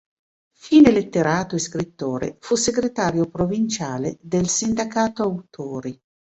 Fine letterato e scrittore, fu segretario provinciale del Sindacato Autori.